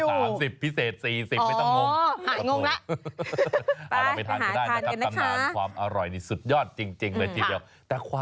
เราไปทานกันได้นะครับตำนานความอร่อยนี่สุดยอดจริงเลยจริง